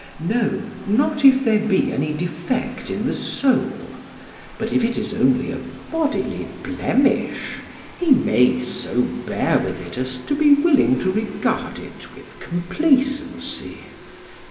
"No, not if there be any defect in the soul, but if it is only a bodily blemish, he may so bear with it as to be willing to regard it with complacency.